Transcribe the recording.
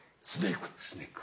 「スネーク」。